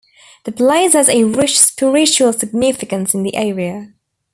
The place has a rich spiritual significance in the area.